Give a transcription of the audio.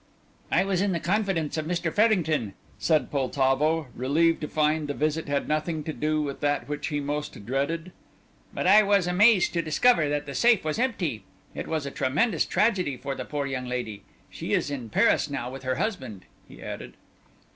"I was in the confidence of Mr. Farrington," said Poltavo, relieved to find the visit had nothing to do with that which he most dreaded, "but I was amazed to discover that the safe was empty. It was a tremendous tragedy for the poor young lady. She is in Paris now with her husband," he added.